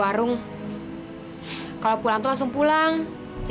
ternyata aku masih lebih beruntung ya wih